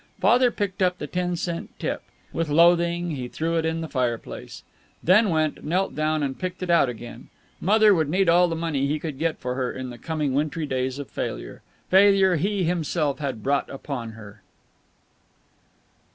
Father picked up the ten cent tip. With loathing he threw it in the fireplace. Then went, knelt down, and picked it out again. Mother would need all the money he could get for her in the coming wintry days of failure failure he himself had brought upon her.